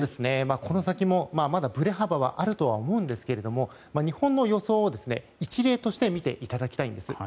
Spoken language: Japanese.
この先もまだ、ぶれ幅はあると思うんですけども日本の予想を一例として見ていただきたいんです。